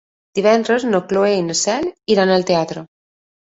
Divendres na Cloè i na Cel iran al teatre.